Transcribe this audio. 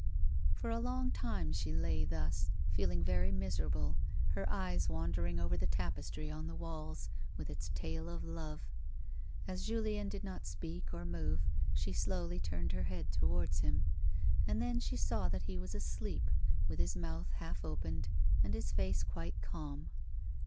For a long time she lay thus, feeling very miserable, her eyes wandering over the tapestry on the walls, with its tale of love. As Julien did not speak or move, she slowly turned her head towards him, and then she saw that he was asleep, with his mouth half opened and his face quite calm.